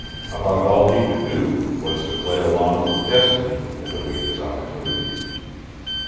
About all he could do was to play along with destiny and await his opportunities.